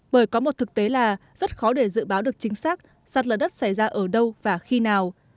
bởi có một thực tế là rất khó để dự báo được chính xác sạt lở đất xảy ra ở đâu và khi nào